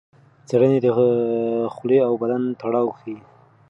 څېړنې د خولې او بدن تړاو ښيي.